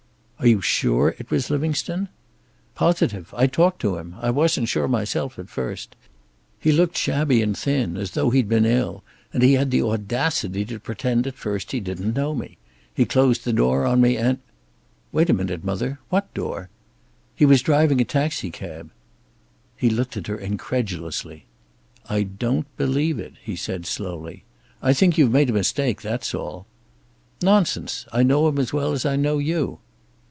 "Are you sure it was Livingstone?" "Positive. I talked to him. I wasn't sure myself, at first. He looked shabby and thin, as though he'd been ill, and he had the audacity to pretend at first he didn't know me. He closed the door on me and " "Wait a minute, mother. What door?" "He was driving a taxicab." He looked at her incredulously. "I don't believe it," he said slowly. "I think you've made a mistake, that's all." "Nonsense. I know him as well as I know you."